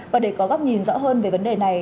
và để có góc nhìn rõ hơn về vấn đề này